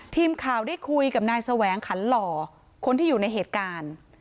ทีมข่าวได้คุยกับนายแสวงขันหล่อคนที่อยู่ในเหตุการณ์